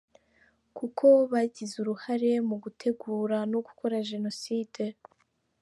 Kuko bagize uruhare mu gutegura no gukora Jenoside".